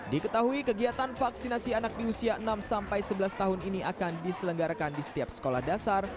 diketahui kegiatan vaksinasi anak di usia enam sampai sebelas tahun ini akan diselenggarakan di setiap sekolah dasar